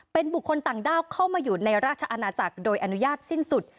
เป็นบุคคลต่างด้าวเข้ามาอยู่ในราชอาณาจักรโดยอนุญาตสิ้นสุด